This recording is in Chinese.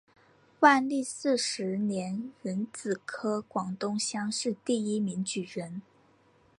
万历四十年壬子科广东乡试第一名举人。